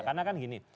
karena kan gini